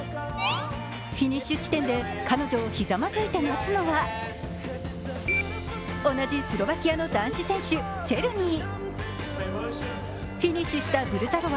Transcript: フィニッシュ地点で彼女をひざまずいて待つのは同じスロバキアの男子選手チェルニー。